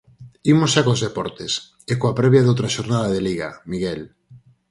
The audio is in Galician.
Imos xa cos deportes, e coa previa doutra xornada de Liga, Miguel.